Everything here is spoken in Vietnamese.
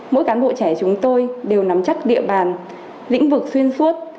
mỗi cán bộ trẻ chúng tôi đều nắm chắc địa bàn lĩnh vực xuyên suốt